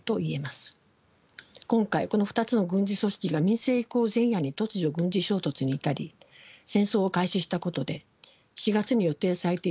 今回この２つの軍事組織が民政移行前夜に突如軍事衝突に至り戦争を開始したことで４月に予定されていた民政移行